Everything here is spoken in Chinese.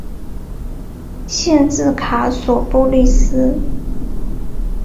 县治卡索波利斯。